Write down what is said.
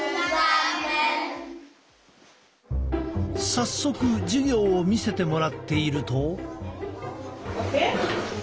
早速授業を見せてもらっていると。